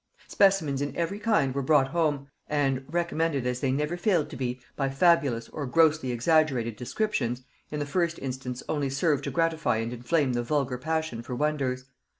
Specimens in every kind were brought home, and, recommended as they never failed to be by fabulous or grossly exaggerated descriptions, in the first instance only served to gratify and inflame the vulgar passion for wonders.